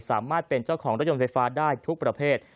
สามารถเป็นเจ้าของรถยนต์ไฟฟ้าได้ทุกประเภท